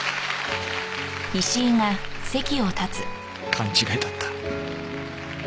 勘違いだった。